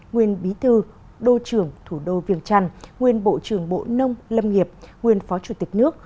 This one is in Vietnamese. nguyên bí thư đô trưởng thủ đô viêng trăn nguyên bộ trưởng bộ nông lâm nghiệp nguyên phó chủ tịch nước